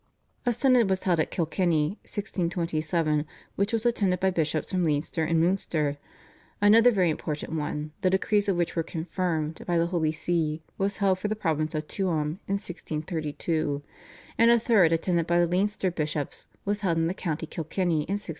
A synod was held at Kilkenny (1627) which was attended by bishops from Leinster and Munster; another very important one, the decrees of which were confirmed by the Holy See, was held for the province of Tuam in 1632, and a third attended by the Leinster bishops was held in the County Kilkenny in 1640.